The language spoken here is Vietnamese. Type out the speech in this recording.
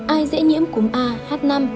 ai dễ nhiễm cúm a h năm